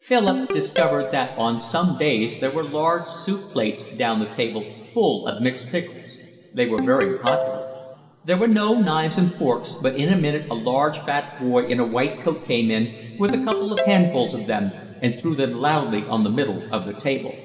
Philip discovered that on some days there were large soup plates down the table full of mixed pickles. They were very popular. There were no knives and forks, but in a minute a large fat boy in a white coat came in with a couple of handfuls of them and threw them loudly on the middle of the table.